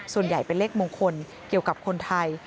ส่วนใหญ่เป็นเลขมงคลเกี่ยวกับคนไทย